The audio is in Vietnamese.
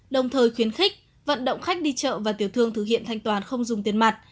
đồng thời khuyến khích vận động khách đi chợ và tiểu thương thực hiện thanh toán không dùng tiền mặt